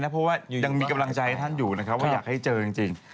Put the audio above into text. เพราะว่ายังมีกำลังใจให้ท่านอยู่นะครับว่าอยากให้เจอจริง